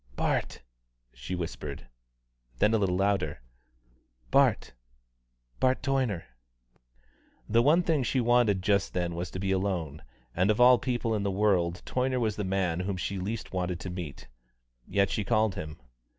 "Bart," she whispered. Then a little louder, "Bart Bart Toyner." The one thing that she wanted just then was to be alone, and of all people in the world Toyner was the man whom she least wanted to meet. Yet she called him.